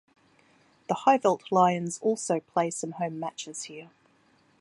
The Highveld Lions also play some home matches here.